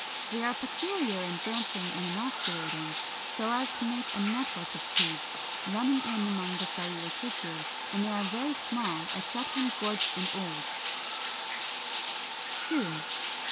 They are peculiar in branching and inosculating, so as to make a net work of tubes, running in among the cellular tissue; and they are very small, except when gorged and old (Fig.